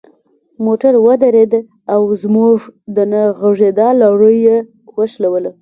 موټر ودرید او زموږ د نه غږیدا لړۍ یې وشلوله.